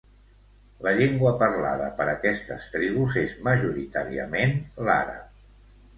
La llengua parlada per aquestes tribus és majoritàriament l’àrab.